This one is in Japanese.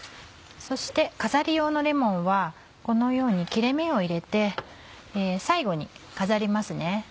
そして飾り用のレモンはこのように切れ目を入れて最後に飾りますね。